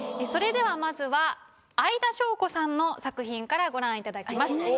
それではまずは相田翔子さんの作品からご覧いただきます。